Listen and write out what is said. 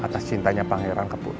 wanita pak trimmed